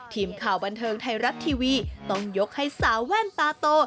ทีมข่าวบันเทิงไทยรัฐทีวีต้องยกให้สาวแว่นตาโต